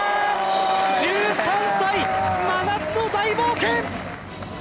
１３歳真夏の大冒険！